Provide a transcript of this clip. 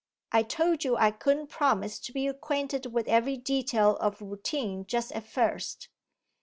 'I told you I couldn't promise to be acquainted with every detail of routine just at first.